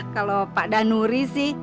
kalau pak danuri sih